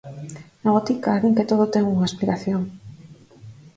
Na botica din que todo ten unha explicación.